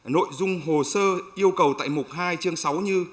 nội dung hồ sơ yêu cầu tại mục hai chương sáu như